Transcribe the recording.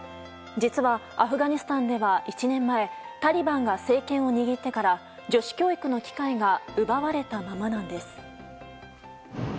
実はアフガニスタンでは１年前タリバンが政権を握ってから女子教育の機会が奪われたままなんです。